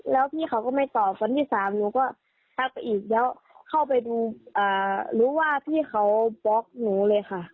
แล้วพี่เขาก็ไม่ตอบวันที่สามหนูก็ทักไปอีกแล้วเข้าไปดูรู้ว่าพี่เขาบล็อกหนูเลยค่ะ